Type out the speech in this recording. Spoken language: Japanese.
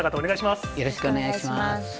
よろしくお願いします。